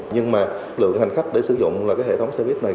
nhưng mà lượng hành khách để sử dụng là cái hệ thống xe buýt này